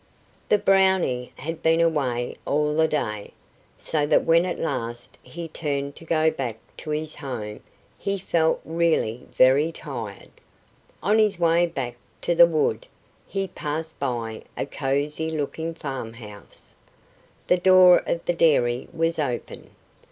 The Brownie had been away all the day, so that when at last he turned to go back to his home he felt really very tired. On his way back to the wood he passed by a cozy looking farmhouse. The door of the dairy was open.